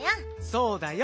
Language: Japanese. そうだよ。